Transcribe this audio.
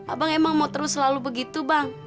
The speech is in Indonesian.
abang emang mau terus selalu begitu bang